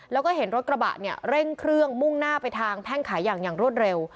แล้วก็เห็นรถกระบะเนี่ยเร่งเครื่องมุ่งหน้าไปทางแพ่งขายอย่างอย่างรวดเร็ว